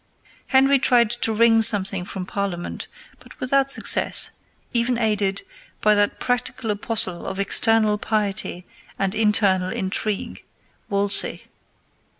Henry tried to wring something from Parliament, but without success, even aided by that practical apostle of external piety and internal intrigue, Wolsey.